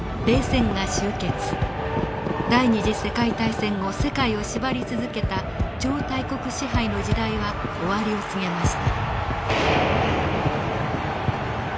第二次世界大戦後世界を縛り続けた超大国支配の時代は終わりを告げました。